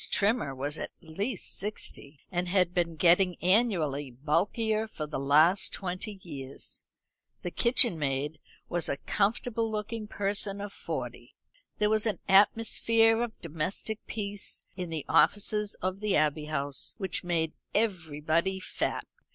Trimmer was at least sixty, and had been getting annually bulkier for the last twenty years. The kitchen maid was a comfortable looking person of forty. There was an atmosphere of domestic peace in the offices of the Abbey House which made everybody fat.